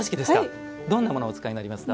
どんなものをお使いになりますか。